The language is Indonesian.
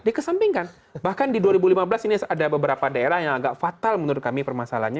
dikesampingkan bahkan di dua ribu lima belas ini ada beberapa daerah yang agak fatal menurut kami permasalahannya